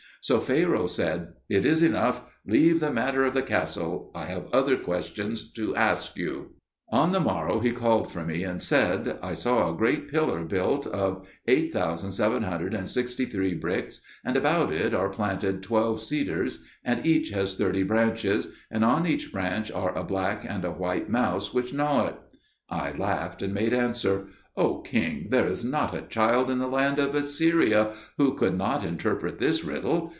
So Pharaoh said, "It is enough; leave the matter of the castle; I have other questions to ask you." On the morrow he called for me, and said, "I saw a great pillar built of 8763 bricks, and about it are planted twelve cedars, and each has thirty branches, and on each branch are a black and a white mouse which gnaw it." I laughed and made answer, "O king, there is not a child in the land of Assyria who could not interpret this riddle.